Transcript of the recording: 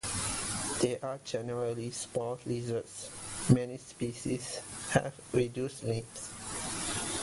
They are generally small lizards; many species have reduced limbs.